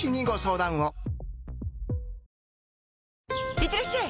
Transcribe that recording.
いってらっしゃい！